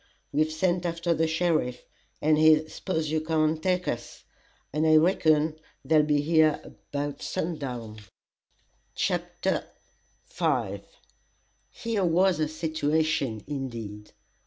We've sent after the sheriff, and his 'spose you come and take us,' and I reckon they'll be here about sun down." CHAPTER V Here was a "situation" indeed.